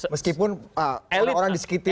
meskipun orang orang di sekitar